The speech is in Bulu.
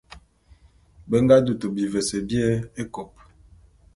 Be nga dutu bivese bié ékôp.